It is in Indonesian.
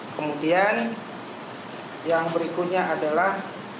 kemudian yang berikutnya adalah